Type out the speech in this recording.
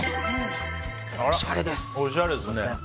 おしゃれですね。